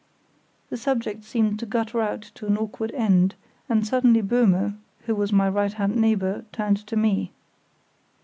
The subject seemed to gutter out to an awkward end, and suddenly Böhme, who was my right hand neighbour, turned to me.